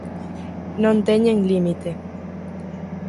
Non teñen límite.